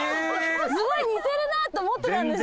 すごい似てるなと思ってたんですよ。